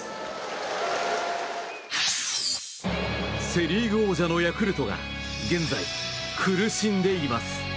セ・リーグ王者のヤクルトが現在苦しんでいます。